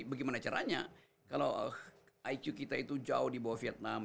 bagaimana caranya kalau iq kita itu jauh di bawah vietnam